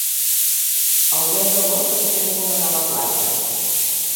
El deu d'agost en Cesc vol anar a la platja.